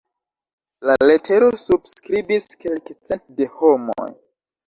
La letero subskribis kelkcent de homoj.